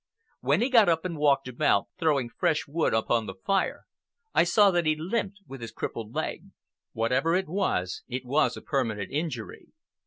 When he got up and walked about, throwing fresh wood upon the fire, I saw that he limped with his crippled leg. Whatever it was, it was a permanent injury.